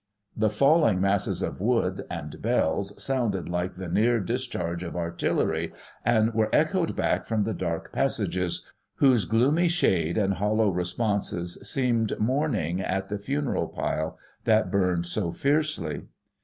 The falling masses of wood, and bells, sounded like the near discharge of artillery, and Were echoed back from the dark passages, whose glomy shade, and hollow responses seemed mournings at the funeral pile that burned so fiercely.